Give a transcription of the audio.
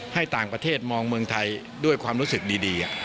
ให้ต่างประเทศมองเมืองไทยด้วยความรู้สึกดี